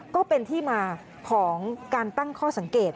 ก็เป็นที่มาของการตั้งข้อสังเกต